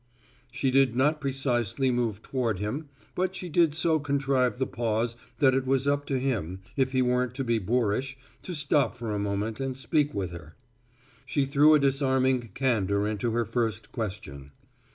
She did not precisely move toward him, but she did so contrive the pause that it was up to him, if he weren't to be boorish, to stop for a moment and speak with her. She threw a disarming candor into her first question.